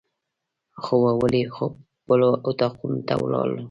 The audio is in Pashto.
خوبولي خپلو اطاقونو ته ولاړو.